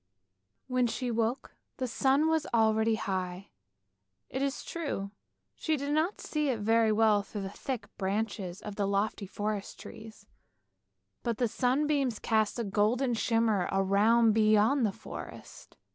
When she woke the sun was already high; it is true she could not see it very well through the thick branches of the lofty forest trees, but the sunbeams cast a golden shimmer around beyond the forest.